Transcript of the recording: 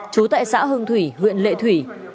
trú tại xã hương thủy huyện lệ thủy